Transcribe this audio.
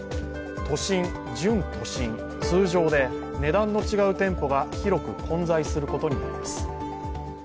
都心、準都心、通常で値段の違う店舗が広く混在することになります。